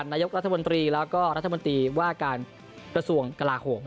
นายกรัฐมนตรีแล้วก็รัฐมนตรีว่าการกระทรวงกลาโหม